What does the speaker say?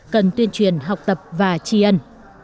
cần tuyên truyền học tập và tri ân